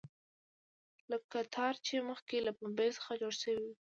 لکه تار چې مخکې له پنبې څخه جوړ شوی وي.